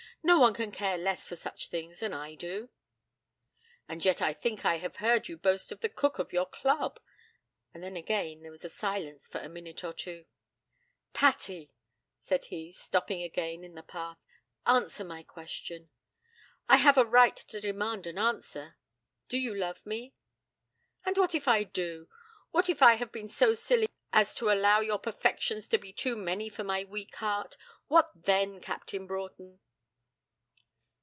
No one can care less for such things than I do.' 'And yet I think I have heard you boast of the cook of your club.' And then again there was silence for a minute or two. 'Patty,' said he, stopping again in the path; 'answer my question. I have a right to demand an answer. Do you love me?' 'And what if I do? What if I have been so silly as to allow your perfections to be too many for my weak heart? What then, Captain Broughton?'